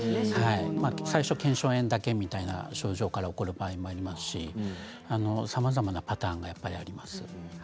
最初は腱鞘炎みたいな症状だけ起こる場合もありますしさまざまなパターンがあります。